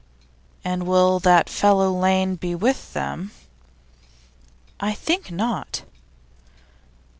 'And will that fellow Lane be with them?' 'I think not.